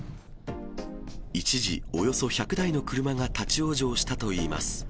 一時、およそ１００台の車が立往生したといいます。